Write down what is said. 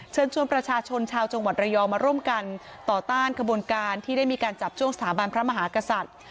เชิญชวนประชาชนชาวจังหวัดระยองมาร่วมกันต่อต้านขบวนการที่ได้มีการจับช่วงสถาบันพระมหากษัตริย์